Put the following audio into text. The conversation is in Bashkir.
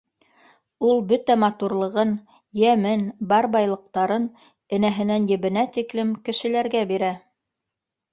Ул бөтә матурлығын, йәмен, бар байлыҡтарын энәһенән-ебенә тиклем кешеләргә бирә